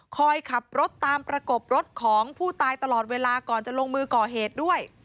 คอยขับรถตามประกบรถของผู้ตายตลอดเวลาก่อนจะลงมือก่อเหตุด้วย